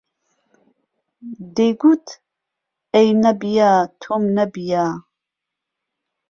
دەیگوت: ئەی نەبیە، تۆم نەبییە